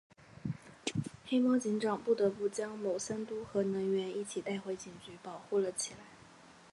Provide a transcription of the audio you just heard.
黑猫警长不得不将牟三嘟和能源一起带回警局保护了起来。